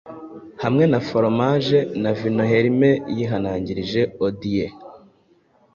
hamwe na foromaje na vinoHerme yihanangirije Odyeu